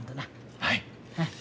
はい。